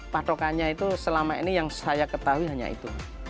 patokannya itu selama ini yang saya ketahui hanya itu